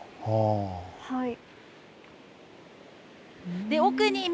はい。